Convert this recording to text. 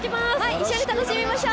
一緒に楽しみましょう。